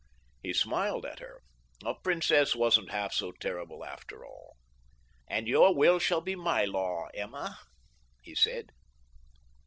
He smiled at her. A princess wasn't half so terrible after all. "And your will shall be my law, Emma," he said.